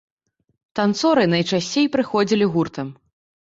Танцоры найчасцей прыходзілі гуртам.